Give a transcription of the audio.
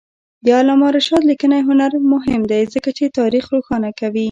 د علامه رشاد لیکنی هنر مهم دی ځکه چې تاریخ روښانه کوي.